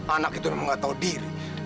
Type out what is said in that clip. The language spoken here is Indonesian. anak itu nggak tahu diri